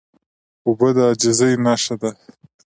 اوبه د عاجزۍ نښه ده.